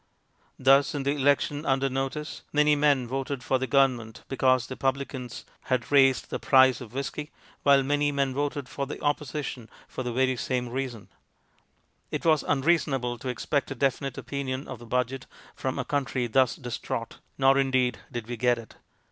Thus, in the election under notice, many men voted for the Government because the publicans had raised the price of whisky, while many men voted for the Opposition for the very 190 MONOLOGUES same reason ! It was unreasonable to ex pect a definite opinion of the Budget from a country thus distraught ; nor, indeed, did we get it.